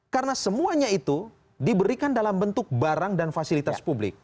karena semuanya itu diberikan dalam bentuk barang dan fasilitas publik